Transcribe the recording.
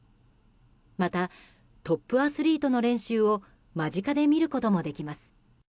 また、トップアスリートの練習を間近で見ることもできます。